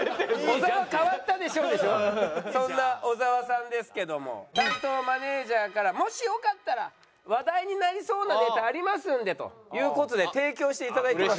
そんな小沢さんですけども担当マネージャーからもしよかったら話題になりそうなネタありますんでという事で提供して頂いてます。